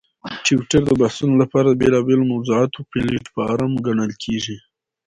ټویټر د بحثونو لپاره د بېلابېلو موضوعاتو پلیټفارم ګڼل کېږي.